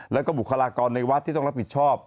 แล้วก็บุคลากรในวัดที่ต้องรับผิดชอบ